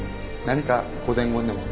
何かご伝言でも？